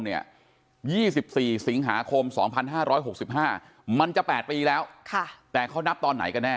๒๔สิงหาคม๒๕๖๕มันจะ๘ปีแล้วแต่เขานับตอนไหนกันแน่